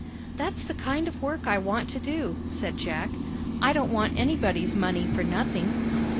"That's the kind of work I want to do," said Jack. "I don't want anybody's money for nothing.